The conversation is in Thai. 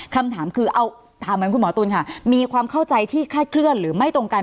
คำถามคือเอาถามเหมือนคุณหมอตุ๋นค่ะมีความเข้าใจที่คลาดเคลื่อนหรือไม่ตรงกัน